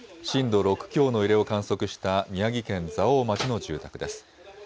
震度６強の揺れを観測した宮城県蔵王町の住宅です。